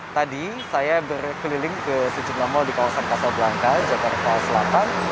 tadi saya berkeliling ke sejumlah mal di kawasan kasab langka jakarta selatan